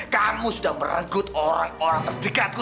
kamu sudah merenggut orang orang terdekatku